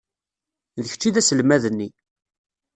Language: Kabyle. D kečč i d aselmad-nni.